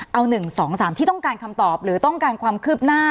เอา๑๒๓ที่ต้องการคำตอบหรือต้องการความคืบหน้า